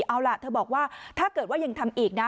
เอาล่ะเธอบอกว่าถ้าเกิดว่ายังทำอีกนะ